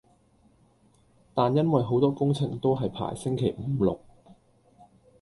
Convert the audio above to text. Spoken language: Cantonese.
但因為好多工程都係排星期五六